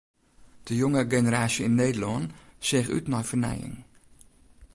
De jonge generaasje yn Nederlân seach út nei fernijing.